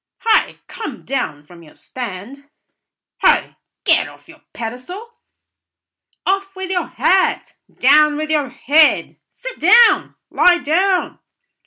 "Hi! Come down from your stand!" "Hi! get off your pedestal!" "Off with your hat!" "Down with your head!" "Sit down!" "Lie down!"